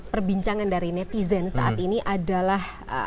perbincangan dari netizen saat ini adalah